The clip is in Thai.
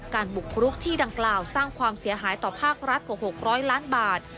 บุกรุกที่ดังกล่าวสร้างความเสียหายต่อภาครัฐกว่า๖๐๐ล้านบาท